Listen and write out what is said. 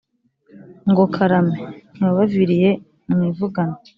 ngo : karame ntiwabaviriye mu ivugana.